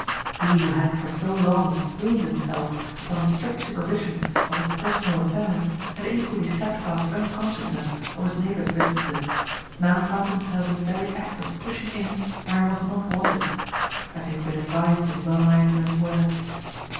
He who had for so long plumed himself upon his strict supervision of his personal affairs and equally steadfast unconsciousness of his neighbor's businesses, now found himself in the very act of pushing in where he was not wanted: as he had been advised in well nigh as many words.